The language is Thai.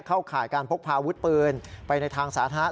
เข้าข่ายการพกพาวุฒิปืนไปในทางสาธารณะ